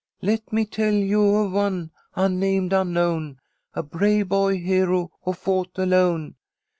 Let me tell you of one, unnamed, unknown, A brave boy hero, who fought alone.